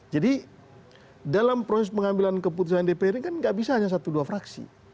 jadi dalam proses pengambilan keputusan dpr ini kan tidak bisa hanya satu dua fraksi